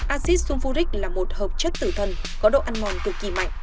acid sulfuric là một hợp chất tử thần có độ ăn mòn cực kỳ mạnh